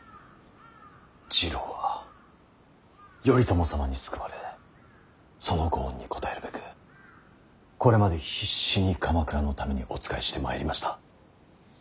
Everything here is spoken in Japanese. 次郎は頼朝様に救われそのご恩に応えるべくこれまで必死に鎌倉のためにお仕えしてまいりました。